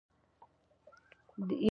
د ایمان لپاره څه شی اړین دی؟